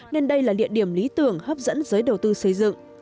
nên đây là địa điểm lý tưởng hấp dẫn giới đầu tư xây dựng